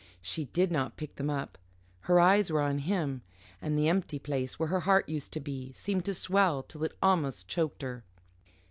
She did not pick them up. Her eyes were on him; and the empty place where her heart used to be seemed to swell till it almost choked her.